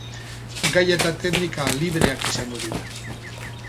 Gaia eta teknika libreak izango dira.